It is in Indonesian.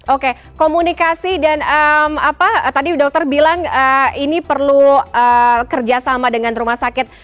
oke komunikasi dan apa tadi dokter bilang ini perlu kerjasama dengan rumah sakit